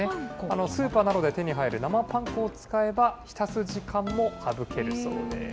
スーパーなどで手に入る生パン粉を使えば、浸す時間も省けるそうです。